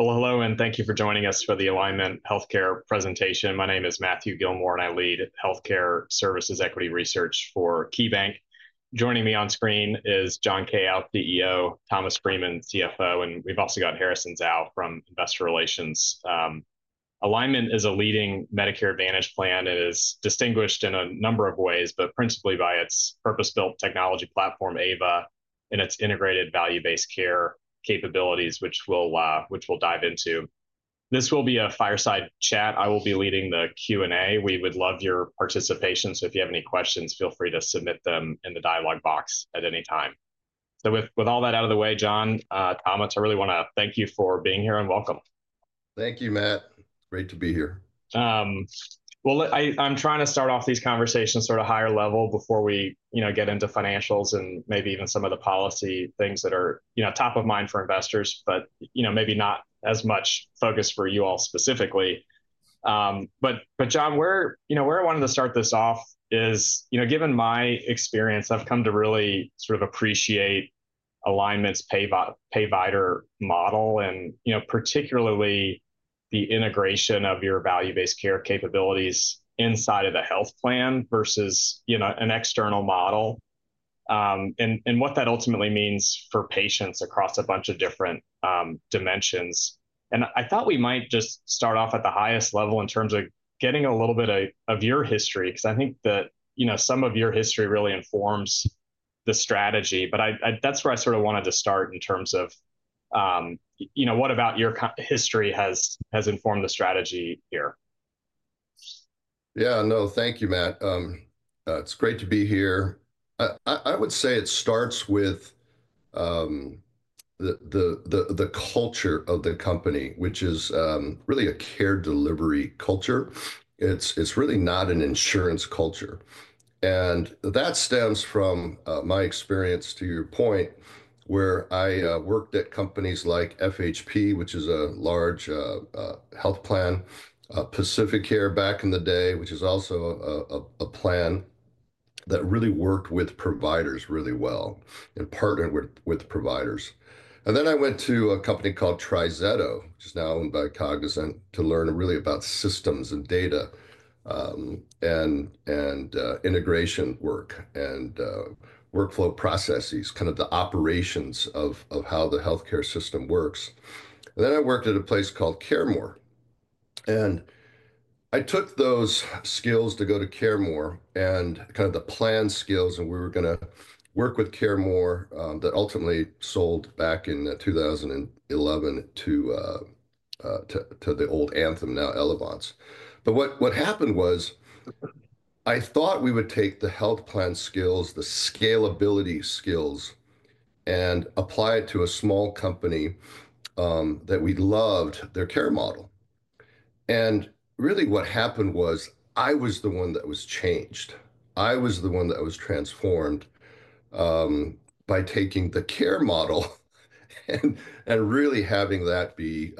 Hello, and thank you for joining us for the Alignment Healthcare presentation. My name is Matthew Gillmor, and I lead healthcare services equity research for KeyBanc. Joining me on screen is John Kao, CEO; Thomas Freeman, CFO; and we have also got Harrison Zhao from Investor Relations. Alignment is a leading Medicare Advantage plan. It is distinguished in a number of ways, but principally by its purpose-built technology platform, AVA, and its integrated value-based care capabilities, which we will dive into. This will be a fireside chat. I will be leading the Q&A. We would love your participation, so if you have any questions, feel free to submit them in the dialogue box at any time. With all that out of the way, John, Thomas, I really want to thank you for being here and welcome. Thank you, Matt. Great to be here. I'm trying to start off these conversations at a higher level before we get into financials and maybe even some of the policy things that are top of mind for investors, but maybe not as much focus for you all specifically. John, where I wanted to start this off is, given my experience, I've come to really appreciate Alignment's payvider model, and particularly the integration of your value-based care capabilities inside of the health plan versus an external model, and what that ultimately means for patients across a bunch of different dimensions. I thought we might just start off at the highest level in terms of getting a little bit of your history, because I think that some of your history really informs the strategy. That's where I sort of wanted to start in terms of what about your history has informed the strategy here. Yeah, no, thank you, Matt. It's great to be here. I would say it starts with the culture of the company, which is really a care delivery culture. It's really not an insurance culture. That stems from my experience, to your point, where I worked at companies like FHP, which is a large health plan, PacifiCare back in the day, which is also a plan that really worked with providers really well, in partnering with providers. I went to a company called TriZetto, which is now owned by Cognizant, to learn really about systems and data and integration work and workflow processes, kind of the operations of how the healthcare system works. I worked at a place called CareMore. I took those skills to go to CareMore and kind of the plan skills, and we were going to work with CareMore that ultimately sold back in 2011 to the old Anthem, now Elevance. What happened was I thought we would take the health plan skills, the scalability skills, and apply it to a small company that we loved their care model. Really what happened was I was the one that was changed. I was the one that was transformed by taking the care model and really having that be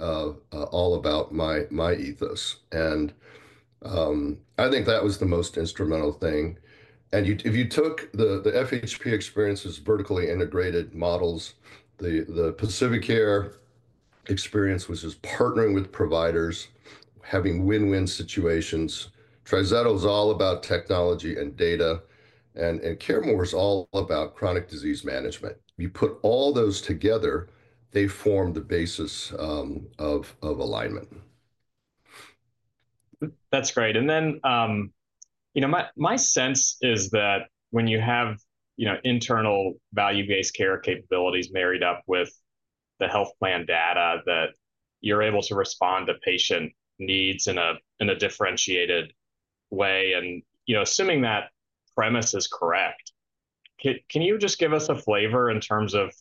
all about my ethos. I think that was the most instrumental thing. If you took the FHP experience as vertically integrated models, the PacifiCare experience, which is partnering with providers, having win-win situations, TriZetto is all about technology and data, and CareMore is all about chronic disease management. You put all those together, they form the basis of Alignment. That's great. My sense is that when you have internal value-based care capabilities married up with the health plan data that you're able to respond to patient needs in a differentiated way, and assuming that premise is correct, can you just give us a flavor in terms of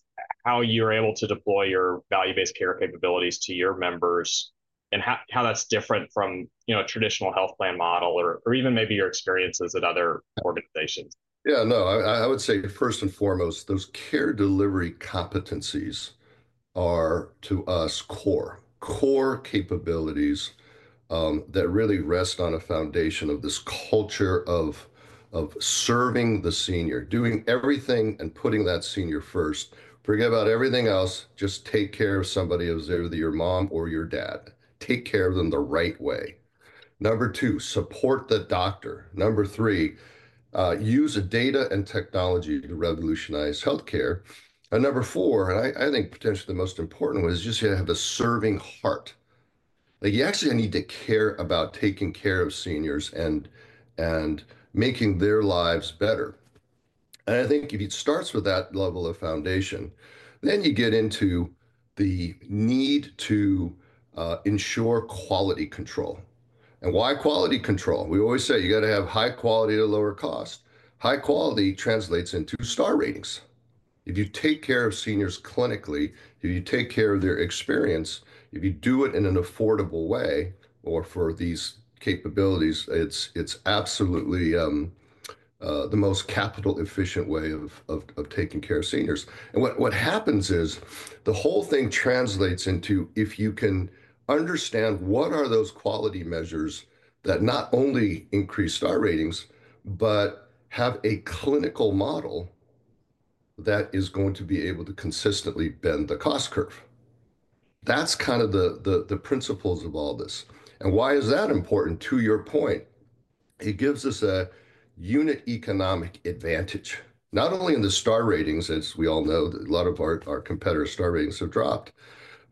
how you're able to deploy your value-based care capabilities to your members and how that's different from a traditional health plan model or even maybe your experiences at other organizations? Yeah, no, I would say first and foremost, those care delivery competencies are to us core, core capabilities that really rest on a foundation of this culture of serving the senior, doing everything and putting that senior first. Forget about everything else. Just take care of somebody, whether your mom or your dad. Take care of them the right way. Number two, support the doctor. Number three, use data and technology to revolutionize healthcare. Number four, and I think potentially the most important one, is just you have a serving heart. You actually need to care about taking care of seniors and making their lives better. I think if it starts with that level of foundation, then you get into the need to ensure quality control. Why quality control? We always say you got to have high quality at a lower cost. High quality translates into star ratings. If you take care of seniors clinically, if you take care of their experience, if you do it in an affordable way or for these capabilities, it's absolutely the most capital-efficient way of taking care of seniors. What happens is the whole thing translates into if you can understand what are those quality measures that not only increase star ratings but have a clinical model that is going to be able to consistently bend the cost curve. That's kind of the principles of all this. Why is that important? To your point, it gives us a unit economic advantage, not only in the star ratings, as we all know, a lot of our competitors' star ratings have dropped,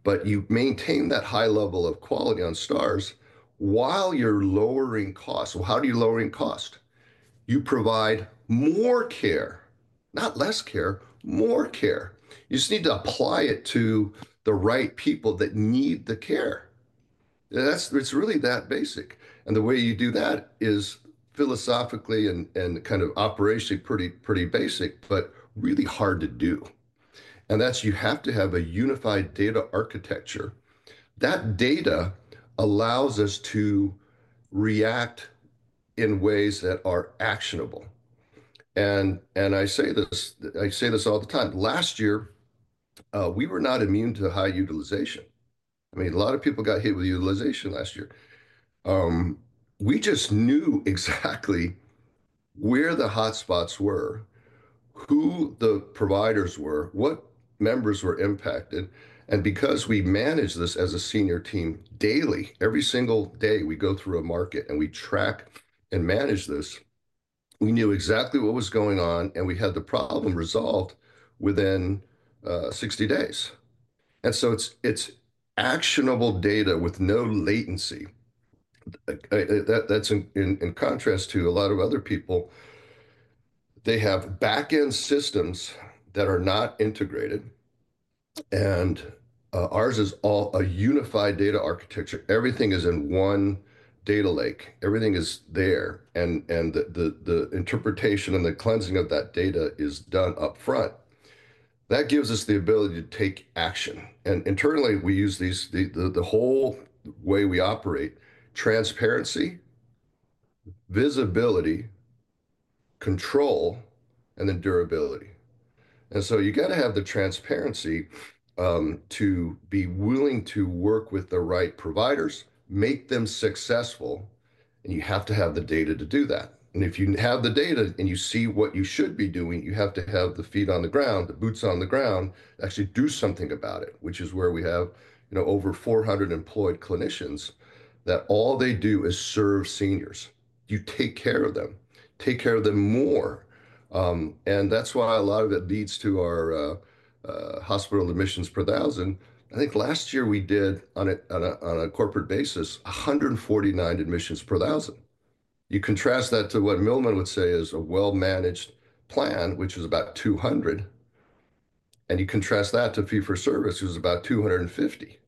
but you maintain that high level of quality on stars while you're lowering costs. How do you lower costs? You provide more care, not less care, more care. You just need to apply it to the right people that need the care. It's really that basic. The way you do that is philosophically and kind of operationally pretty basic, but really hard to do. That's you have to have a unified data architecture. That data allows us to react in ways that are actionable. I say this all the time. Last year, we were not immune to high utilization. I mean, a lot of people got hit with utilization last year. We just knew exactly where the hotspots were, who the providers were, what members were impacted. Because we manage this as a senior team daily, every single day we go through a market and we track and manage this, we knew exactly what was going on, and we had the problem resolved within 60 days. It is actionable data with no latency. That is in contrast to a lot of other people. They have back-end systems that are not integrated, and ours is all a unified data architecture. Everything is in one data lake. Everything is there, and the interpretation and the cleansing of that data is done upfront. That gives us the ability to take action. Internally, we use the whole way we operate: transparency, visibility, control, and then durability. You have to have the transparency to be willing to work with the right providers, make them successful, and you have to have the data to do that. If you have the data and you see what you should be doing, you have to have the feet on the ground, the boots on the ground, actually do something about it, which is where we have over 400 employed clinicians that all they do is serve seniors. You take care of them, take care of them more. That is why a lot of it leads to our hospital admissions per thousand. I think last year we did, on a corporate basis, 149 admissions per thousand. You contrast that to what Milliman would say is a well-managed plan, which is about 200, and you contrast that to fee-for-service, which is about 250. It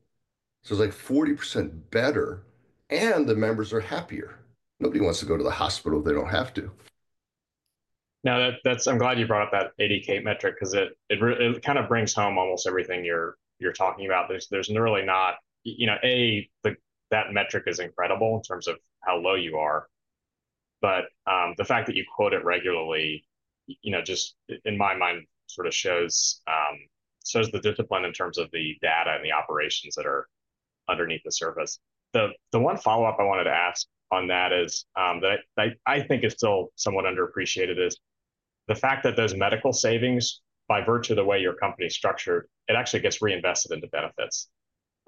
is like 40% better, and the members are happier. Nobody wants to go to the hospital if they do not have to. Now, I'm glad you brought up that ADK metric because it kind of brings home almost everything you're talking about. There's really not, A, that metric is incredible in terms of how low you are, but the fact that you quote it regularly just in my mind sort of shows the discipline in terms of the data and the operations that are underneath the surface. The one follow-up I wanted to ask on that is that I think is still somewhat underappreciated is the fact that those medical savings, by virtue of the way your company is structured, it actually gets reinvested into benefits.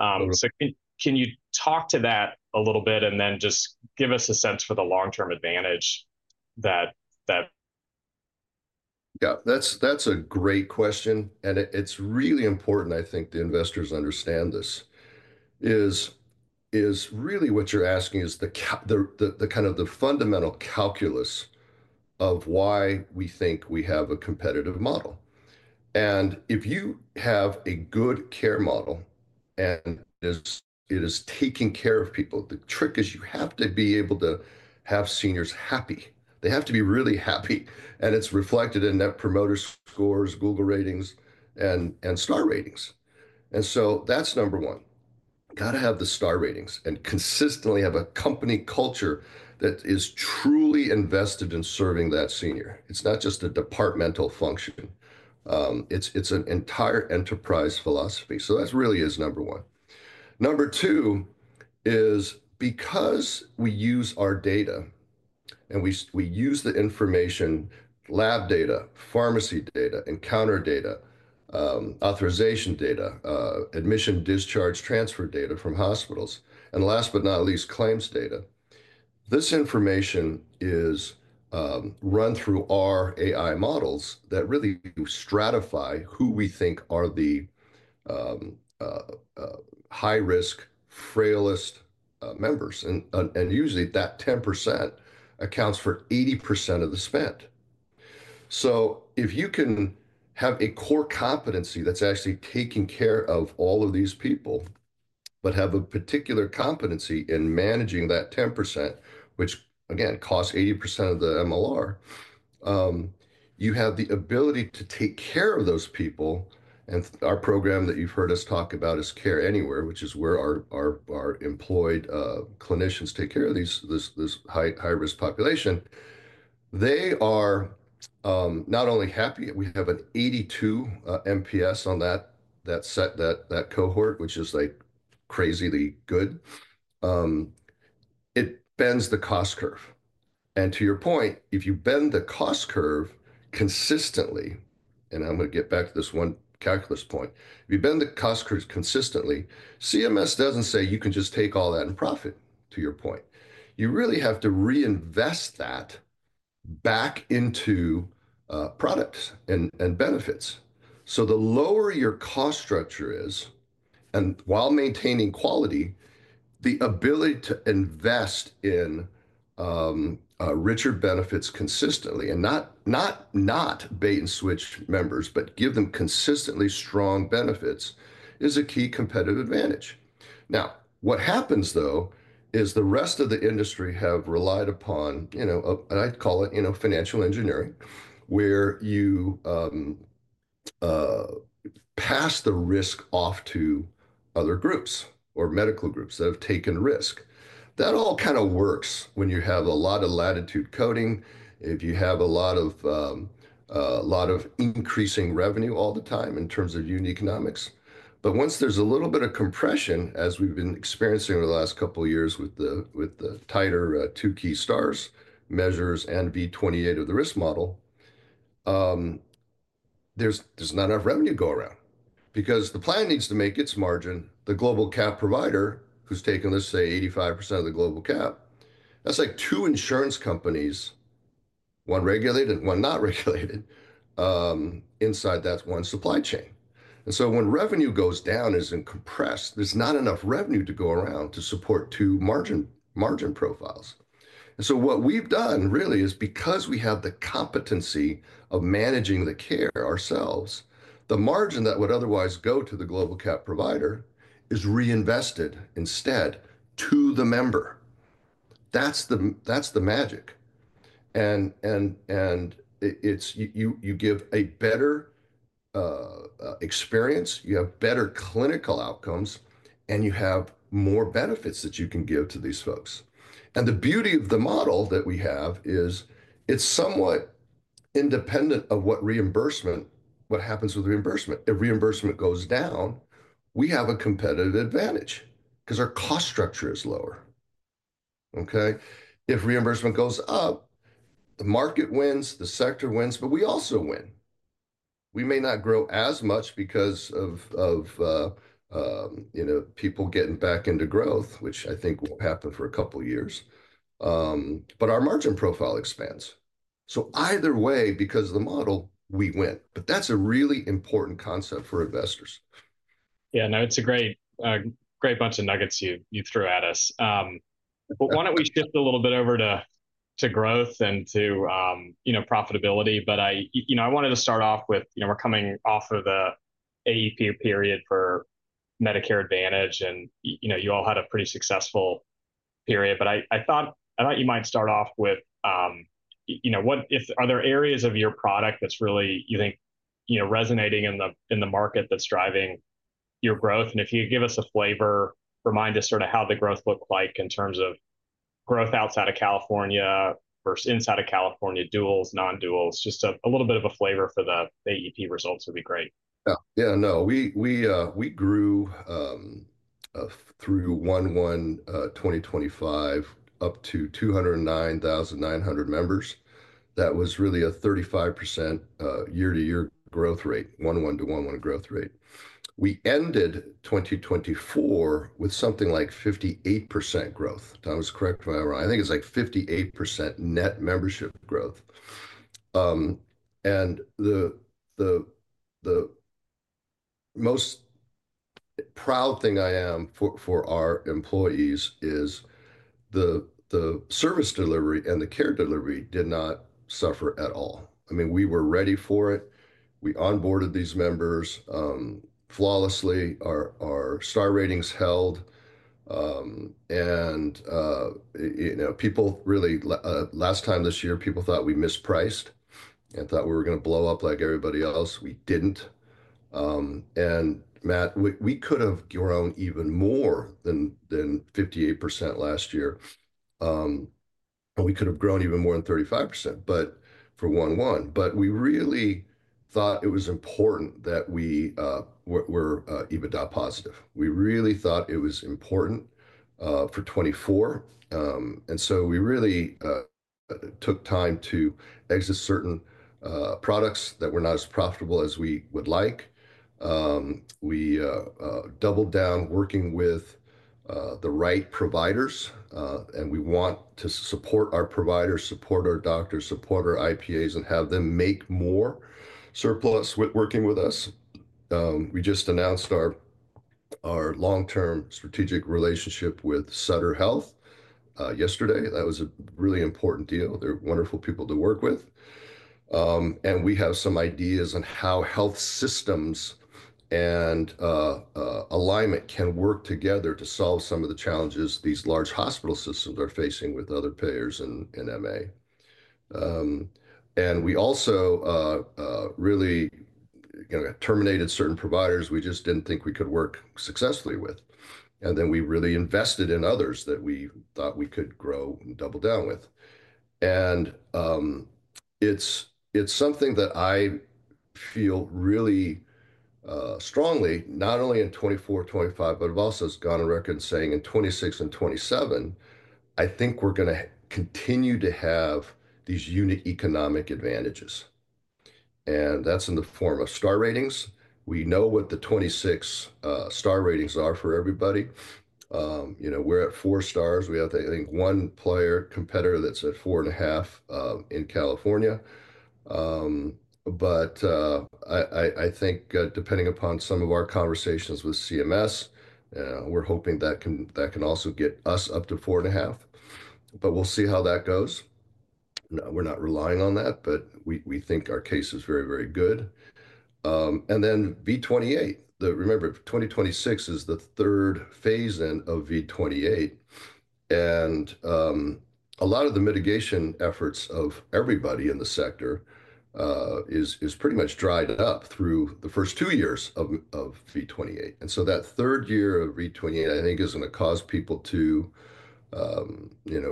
Can you talk to that a little bit and then just give us a sense for the long-term advantage that? Yeah, that's a great question, and it's really important, I think, the investors understand this, is really what you're asking is kind of the fundamental calculus of why we think we have a competitive model. If you have a good care model and it is taking care of people, the trick is you have to be able to have seniors happy. They have to be really happy, and it's reflected in Net Promoter Scores, Google ratings, and star ratings. That's number one. You got to have the star ratings and consistently have a company culture that is truly invested in serving that senior. It's not just a departmental function. It's an entire enterprise philosophy. That really is number one. Number two is because we use our data and we use the information, lab data, pharmacy data, encounter data, authorization data, admission, discharge, transfer data from hospitals, and last but not least, claims data. This information is run through our AI models that really stratify who we think are the high-risk, frailest members. Usually that 10% accounts for 80% of the spend. If you can have a core competency that's actually taking care of all of these people but have a particular competency in managing that 10%, which again costs 80% of the MLR, you have the ability to take care of those people. Our program that you've heard us talk about is Care Anywhere, which is where our employed clinicians take care of this high-risk population. They are not only happy; we have an 82 NPS on that cohort, which is crazily good. It bends the cost curve. To your point, if you bend the cost curve consistently, and I'm going to get back to this one calculus point, if you bend the cost curve consistently, CMS doesn't say you can just take all that and profit, to your point. You really have to reinvest that back into products and benefits. The lower your cost structure is, and while maintaining quality, the ability to invest in richer benefits consistently and not bait and switch members, but give them consistently strong benefits is a key competitive advantage. What happens, though, is the rest of the industry have relied upon, and I call it financial engineering, where you pass the risk off to other groups or medical groups that have taken risk. That all kind of works when you have a lot of latitude coding, if you have a lot of increasing revenue all the time in terms of unit economics. Once there's a little bit of compression, as we've been experiencing over the last couple of years with the tighter Tukey stars measures and V28 of the risk model, there's not enough revenue to go around because the plan needs to make its margin. The global cap provider, who's taken, let's say, 85% of the global cap, that's like two insurance companies, one regulated and one not regulated, inside that one supply chain. When revenue goes down and isn't compressed, there's not enough revenue to go around to support two margin profiles. What we have done really is because we have the competency of managing the care ourselves, the margin that would otherwise go to the global cap provider is reinvested instead to the member. That is the magic. You give a better experience, you have better clinical outcomes, and you have more benefits that you can give to these folks. The beauty of the model that we have is it is somewhat independent of what happens with reimbursement. If reimbursement goes down, we have a competitive advantage because our cost structure is lower. If reimbursement goes up, the market wins, the sector wins, but we also win. We may not grow as much because of people getting back into growth, which I think will happen for a couple of years, but our margin profile expands. Either way, because of the model, we win. That's a really important concept for investors. Yeah, no, it's a great bunch of nuggets you threw at us. Why don't we shift a little bit over to growth and to profitability? I wanted to start off with we're coming off of the AEP period for Medicare Advantage, and you all had a pretty successful period. I thought you might start off with, are there areas of your product that's really, you think, resonating in the market that's driving your growth? If you could give us a flavor, remind us sort of how the growth looked like in terms of growth outside of California versus inside of California, duals, non-duals, just a little bit of a flavor for the AEP results would be great. Yeah, no, we grew through 1/1/ 2025 up to 209,900 members. That was really a 35% year-to-year growth rate, 1/1 to 1/1 growth rate. We ended 2024 with something like 58% growth. Thomas, correct me if I'm wrong. I think it's like 58% net membership growth. The most proud thing I am for our employees is the service delivery and the care delivery did not suffer at all. I mean, we were ready for it. We onboarded these members flawlessly. Our star ratings held. Last time this year, people thought we mispriced and thought we were going to blow up like everybody else. We didn't. We could have grown even more than 58% last year. We could have grown even more than 35% for 1/1. We really thought it was important that we were EBITDA positive. We really thought it was important for 2024. We really took time to exit certain products that were not as profitable as we would like. We doubled down working with the right providers, and we want to support our providers, support our doctors, support our IPAs, and have them make more surplus working with us. We just announced our long-term strategic relationship with Sutter Health yesterday. That was a really important deal. They're wonderful people to work with. We have some ideas on how health systems and Alignment can work together to solve some of the challenges these large hospital systems are facing with other payers in MA. We also really terminated certain providers we just did not think we could work successfully with. We really invested in others that we thought we could grow and double down with. It is something that I feel really strongly, not only in 2024, 2025, but I have also gone on record saying in 2026 and 2027, I think we are going to continue to have these unit economic advantages. That is in the form of star ratings. We know what the 2026 star ratings are for everybody. We are at four stars. We have, I think, one player competitor that is at four and a half in California. I think depending upon some of our conversations with CMS, we are hoping that can also get us up to four and a half. We will see how that goes. We are not relying on that, but we think our case is very, very good. V28, remember, 2026 is the third phase-in of V28. A lot of the mitigation efforts of everybody in the sector is pretty much dried up through the first two years of V28. That third year of V28, I think, is going to cause people to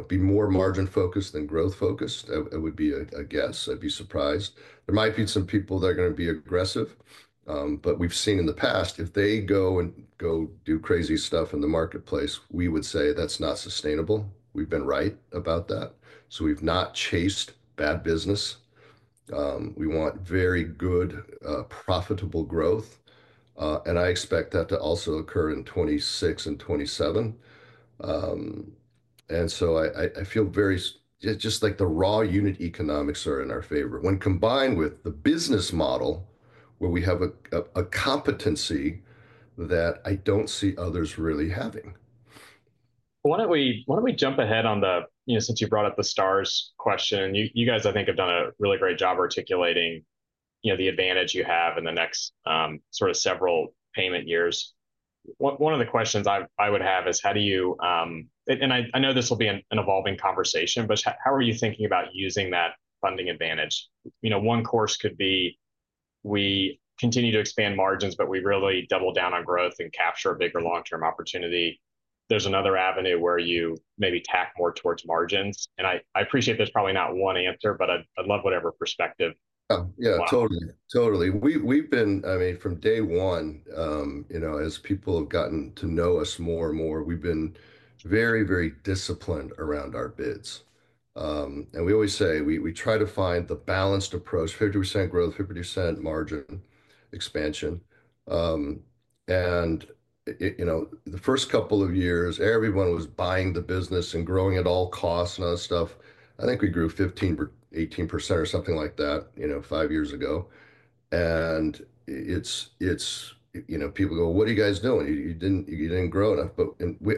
be more margin-focused than growth-focused. It would be a guess. I'd be surprised. There might be some people that are going to be aggressive. We've seen in the past, if they go and do crazy stuff in the marketplace, we would say that's not sustainable. We've been right about that. We've not chased bad business. We want very good, profitable growth. I expect that to also occur in 2026 and 2027. I feel just like the raw unit economics are in our favor when combined with the business model where we have a competency that I don't see others really having. Why don't we jump ahead on the, since you brought up the stars question, you guys, I think, have done a really great job articulating the advantage you have in the next sort of several payment years. One of the questions I would have is how do you, and I know this will be an evolving conversation, but how are you thinking about using that funding advantage? One course could be we continue to expand margins, but we really double down on growth and capture a bigger long-term opportunity. There is another avenue where you maybe tack more towards margins. I appreciate there is probably not one answer, but I'd love whatever perspective you want. Yeah, totally. Totally. I mean, from day one, as people have gotten to know us more and more, we've been very, very disciplined around our bids. We always say we try to find the balanced approach, 50% growth, 50% margin expansion. The first couple of years, everyone was buying the business and growing at all costs and other stuff. I think we grew 15%, 18% or something like that five years ago. People go, "What are you guys doing? You didn't grow enough."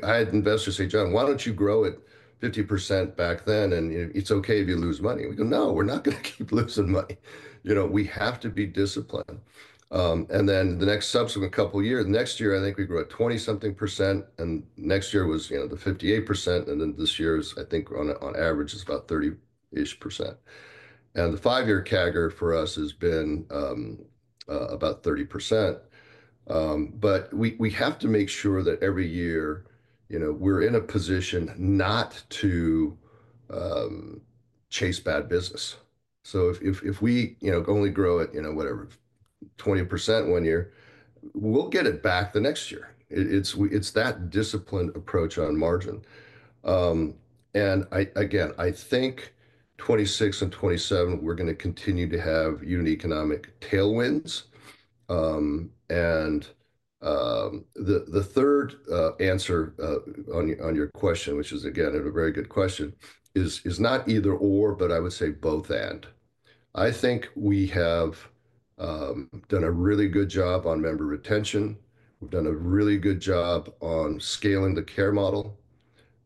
I had investors say, "John, why don't you grow at 50% back then? It's okay if you lose money." We go, "No, we're not going to keep losing money. We have to be disciplined." The next subsequent couple of years, next year, I think we grew at 20-something percent. Next year was the 58%. This year's, I think, on average, is about 30% ish. The five-year CAGR for us has been about 30%. We have to make sure that every year we're in a position not to chase bad business. If we only grow at, whatever, 20% one year, we'll get it back the next year. It is that disciplined approach on margin. I think 2026 and 2027, we're going to continue to have unit economic tailwinds. The third answer on your question, which is, again, a very good question, is not either/or, but I would say both/and. I think we have done a really good job on member retention. We've done a really good job on scaling the care model.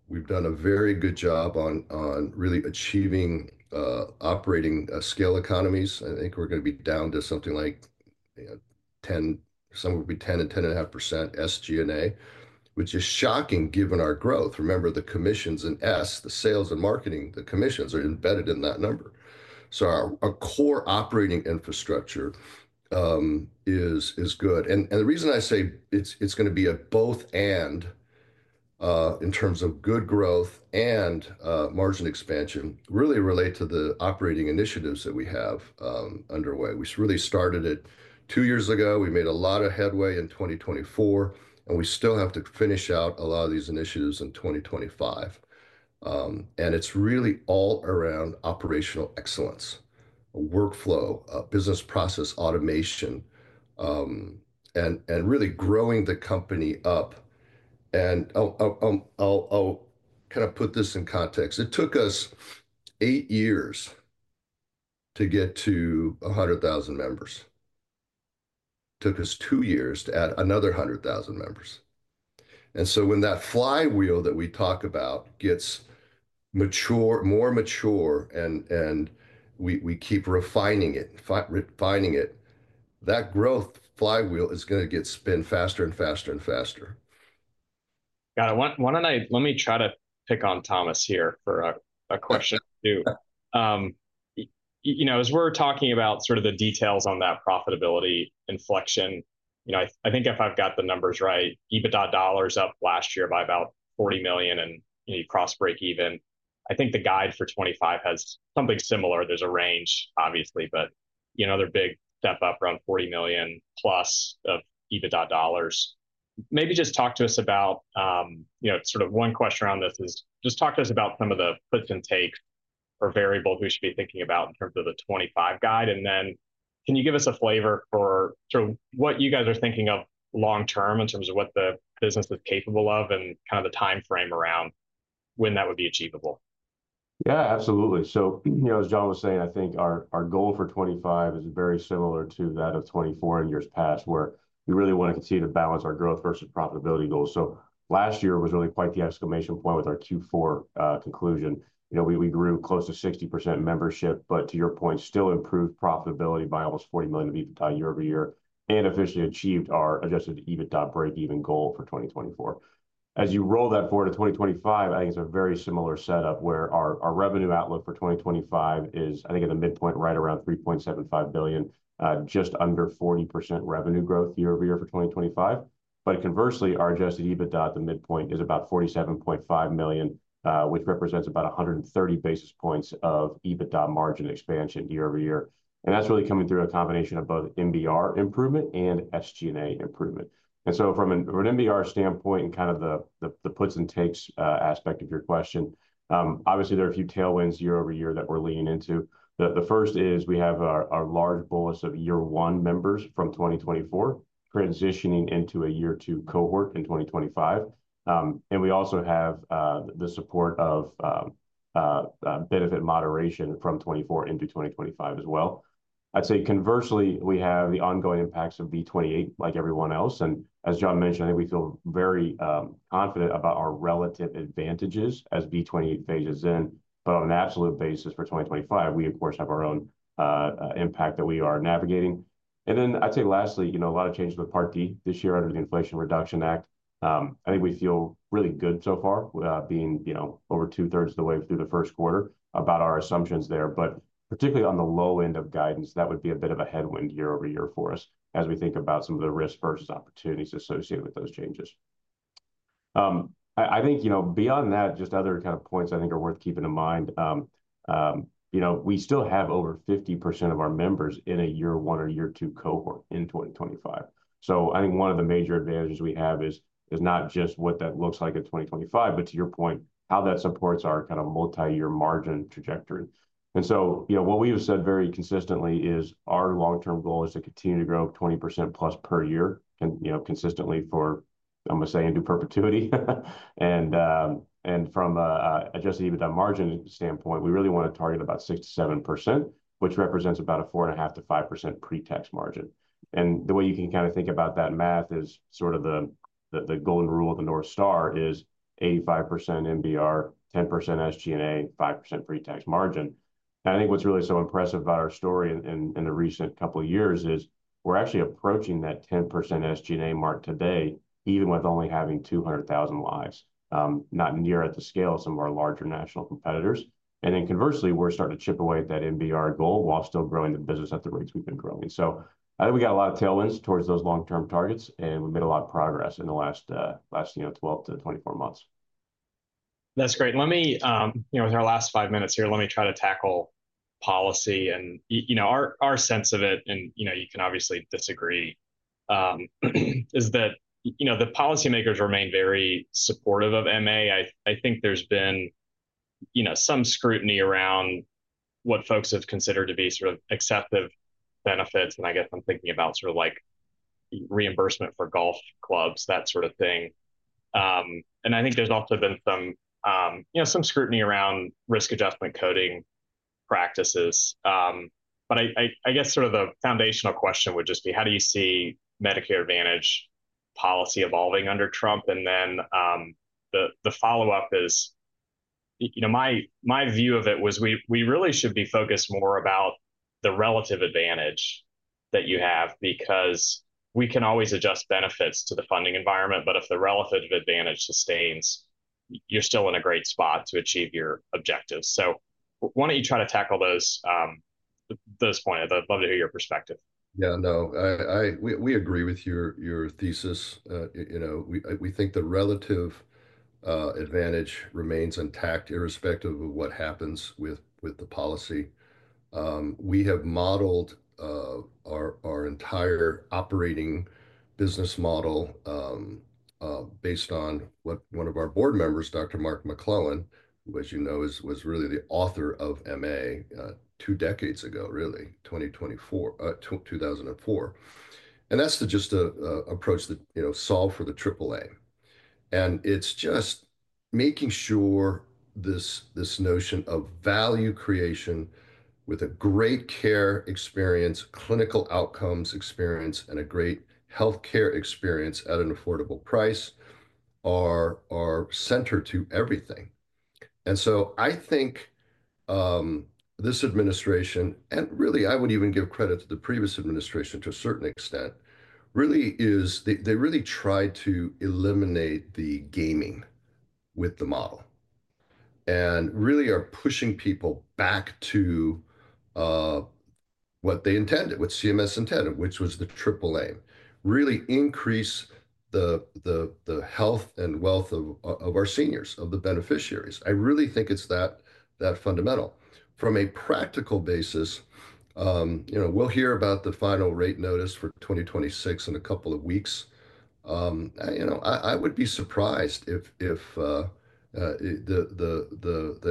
We've done a very good job on really achieving operating scale economies. I think we're going to be down to something like 10, some will be 10 and 10.5% SG&A, which is shocking given our growth. Remember, the commissions in S, the sales and marketing, the commissions are embedded in that number. Our core operating infrastructure is good. The reason I say it's going to be a both/and in terms of good growth and margin expansion really relates to the operating initiatives that we have underway. We really started it two years ago. We made a lot of headway in 2024, and we still have to finish out a lot of these initiatives in 2025. It's really all around operational excellence, workflow, business process automation, and really growing the company up. I'll kind of put this in context. It took us eight years to get to 100,000 members. It took us two years to add another 100,000 members. When that flywheel that we talk about gets more mature and we keep refining it, that growth flywheel is going to get spin faster and faster and faster. Got it. Let me try to pick on Thomas here for a question too. As we're talking about sort of the details on that profitability inflection, I think if I've got the numbers right, EBITDA dollars up last year by about $40 million and you cross break even. I think the guide for 2025 has something similar. There's a range, obviously, but another big step up around $40 million+ of EBITDA dollars. Maybe just talk to us about sort of one question around this is just talk to us about some of the puts and takes or variables we should be thinking about in terms of the 2025 guide. Then can you give us a flavor for what you guys are thinking of long-term in terms of what the business is capable of and kind of the timeframe around when that would be achievable? Yeah, absolutely. As John was saying, I think our goal for 2025 is very similar to that of 2024 and years past, where we really want to continue to balance our growth versus profitability goals. Last year was really quite the exclamation point with our Q4 conclusion. We grew close to 60% membership, but to your point, still improved profitability by almost $40 million of EBITDA year over year and officially achieved our adjusted EBITDA break-even goal for 2024. As you roll that forward to 2025, I think it is a very similar setup where our revenue outlook for 2025 is, I think, in the midpoint, right around $3.75 billion, just under 40% revenue growth year over year for 2025. Conversely, our adjusted EBITDA, the midpoint, is about $47.5 million, which represents about 130 basis points of EBITDA margin expansion year over year. That is really coming through a combination of both MBR improvement and SG&A improvement. From an MBR standpoint and kind of the puts and takes aspect of your question, obviously, there are a few tailwinds year over year that we are leaning into. The first is we have our large bolus of year one members from 2024 transitioning into a year two cohort in 2025. We also have the support of benefit moderation from 2024 into 2025 as well. I would say conversely, we have the ongoing impacts of V28 like everyone else. As John mentioned, I think we feel very confident about our relative advantages as V28 phases in. On an absolute basis for 2025, we, of course, have our own impact that we are navigating. Lastly, a lot of changes with Part D this year under the Inflation Reduction Act. I think we feel really good so far, being over two-thirds of the way through the first quarter about our assumptions there. Particularly on the low end of guidance, that would be a bit of a headwind year over year for us as we think about some of the risk versus opportunities associated with those changes. I think beyond that, just other kind of points I think are worth keeping in mind. We still have over 50% of our members in a year one or year two cohort in 2025. I think one of the major advantages we have is not just what that looks like in 2025, but to your point, how that supports our kind of multi-year margin trajectory. What we have said very consistently is our long-term goal is to continue to grow 20%+ per year consistently for, I'm going to say, into perpetuity. From an adjusted EBITDA margin standpoint, we really want to target about 6%-7%, which represents about a 4.5%-5% pre-tax margin. The way you can kind of think about that math is sort of the golden rule of the North Star is 85% MBR, 10% SG&A, 5% pre-tax margin. I think what's really so impressive about our story in the recent couple of years is we're actually approaching that 10% SG&A mark today, even with only having 200,000 lives, not near at the scale of some of our larger national competitors. Conversely, we're starting to chip away at that MBR goal while still growing the business at the rates we've been growing. I think we got a lot of tailwinds towards those long-term targets, and we made a lot of progress in the last 12 to 24 months. That's great. With our last five minutes here, let me try to tackle policy. Our sense of it, and you can obviously disagree, is that the policymakers remain very supportive of MA. I think there's been some scrutiny around what folks have considered to be sort of excessive benefits. I guess I'm thinking about sort of like reimbursement for golf clubs, that sort of thing. I think there's also been some scrutiny around risk adjustment coding practices. I guess sort of the foundational question would just be, how do you see Medicare Advantage policy evolving under Trump? The follow-up is my view of it was we really should be focused more about the relative advantage that you have because we can always adjust benefits to the funding environment. If the relative advantage sustains, you're still in a great spot to achieve your objectives. Why don't you try to tackle those points? I'd love to hear your perspective. Yeah, no, we agree with your thesis. We think the relative advantage remains intact irrespective of what happens with the policy. We have modeled our entire operating business model based on what one of our board members, Dr. Mark McClellan, who, as you know, was really the author of MA two decades ago, really, 2004. That is just an approach that solved for the Triple Aim. It is just making sure this notion of value creation with a great care experience, clinical outcomes experience, and a great healthcare experience at an affordable price are centered to everything. I think this administration, and really I would even give credit to the previous administration to a certain extent, really is they really tried to eliminate the gaming with the model and really are pushing people back to what they intended, what CMS intended, which was the Triple Aim, really increase the health and wealth of our seniors, of the beneficiaries. I really think it's that fundamental. From a practical basis, we'll hear about the final rate notice for 2026 in a couple of weeks. I would be surprised if the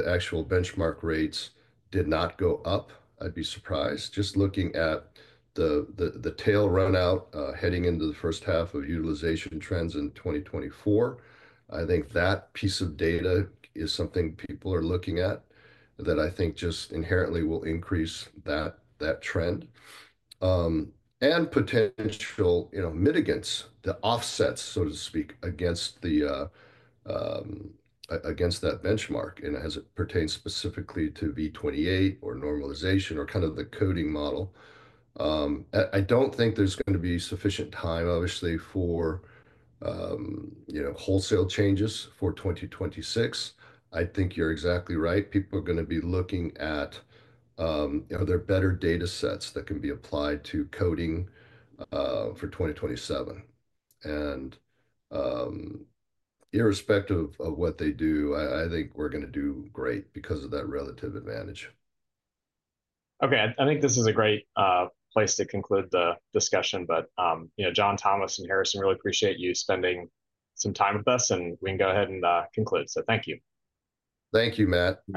actual benchmark rates did not go up. I'd be surprised. Just looking at the tail runout heading into the first half of utilization trends in 2024, I think that piece of data is something people are looking at that I think just inherently will increase that trend and potential mitigants, the offsets, so to speak, against that benchmark and as it pertains specifically to V28 or normalization or kind of the coding model. I do not think there is going to be sufficient time, obviously, for wholesale changes for 2026. I think you are exactly right. People are going to be looking at their better data sets that can be applied to coding for 2027. And irrespective of what they do, I think we are going to do great because of that relative advantage. Okay. I think this is a great place to conclude the discussion. John, Thomas, and Harrison, really appreciate you spending some time with us, and we can go ahead and conclude. Thank you. Thank you, Matt.